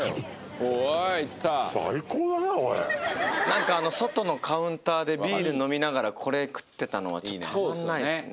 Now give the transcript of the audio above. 何か外のカウンターでビール飲みながらこれ食ってたのはたまんないです